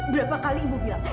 berapa kali ibu bilang